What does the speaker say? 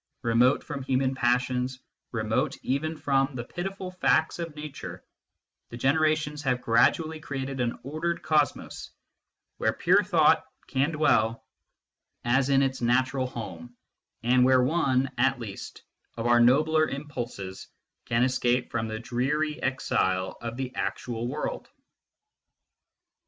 Remote from human passions, remote even from the pitiful facts of nature, the generations have gradually created an ordered cosmos, where pure thought can dwell as in its natural home, and where one, at least, of our nobler impulses can escape from the dreary exile of the actual world.